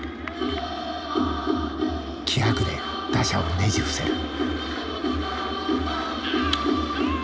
気迫で打者をねじ伏せる。